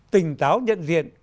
tình táo nhận diện